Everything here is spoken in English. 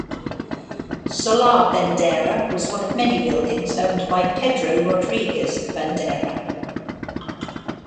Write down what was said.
Solar Bandeira was one of many buildings own by Pedro Rodrigues Bandeira.